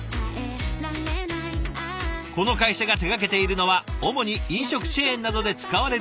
この会社が手がけているのは主に飲食チェーンなどで使われる食器類。